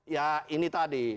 ya ini tadi